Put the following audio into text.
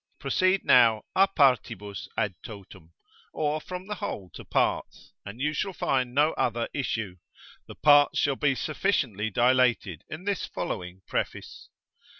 Proceed now a partibus ad totum, or from the whole to parts, and you shall find no other issue, the parts shall be sufficiently dilated in this following Preface.